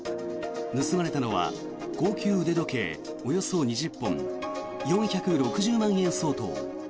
盗まれたのは高級腕時計およそ２０本４６０万円相当。